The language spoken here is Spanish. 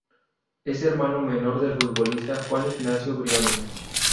Es hermano menor del futbolista Juan Ignacio Briones.